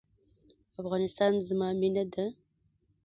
افغانستان زما مینه ده؟